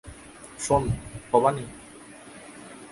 শোন, ভবানী।